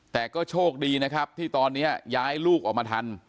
แต่ก็โชคดีนะครับที่ตอนนี้ย้ายลูกออกมาทัน